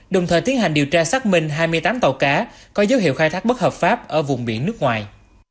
đồng thời tiến hành điều tra xác minh hai mươi tám tàu cá có dấu hiệu khai thác bất hợp pháp ở vùng biển nước ngoài